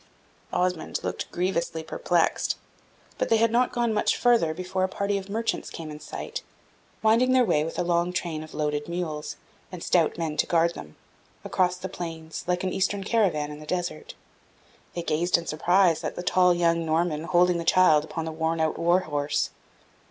Osmond looked grievously perplexed; but they had not gone much further before a party of merchants came in sight, winding their way with a long train of loaded mules, and stout men to guard them, across the plains, like an eastern caravan in the desert. They gazed in surprise at the tall young Norman holding the child upon the worn out war horse.